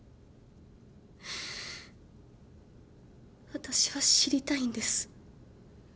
私は知りたいんです。